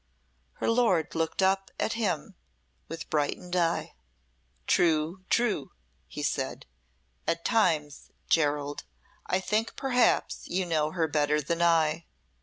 Her lord looked up at him with brightened eye. "True true!" he said. "At times, Gerald, I think perhaps you know her better than I.